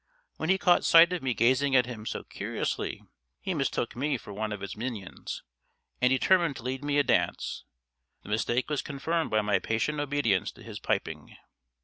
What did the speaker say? When he caught sight of me gazing at him so curiously he mistook me for one of its minions, and determined to lead me a dance; the mistake was confirmed by my patient obedience to his piping.